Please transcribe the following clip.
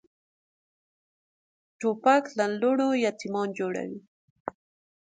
توپک له لوڼو یتیمان جوړوي.